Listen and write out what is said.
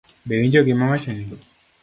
Be iwinjo gima awachoni?